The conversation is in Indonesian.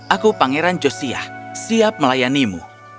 aku pangeran josiah siap melayanimu